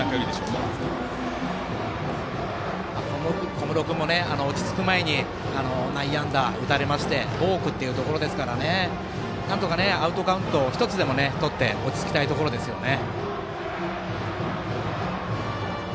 小室君も落ち着く前に内野安打を打たれましてボークということですからなんとかアウトカウント１つでもとって落ち着きたいところですね。